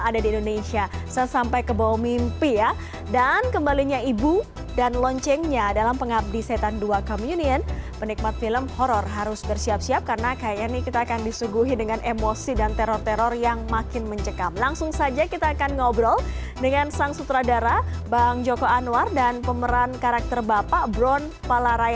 dengan sang sutradara bang joko anwar dan pemeran karakter bapak bron palarai